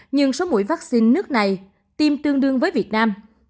nhưng số mũi vaccine nước này tiêm tương đương với việt nam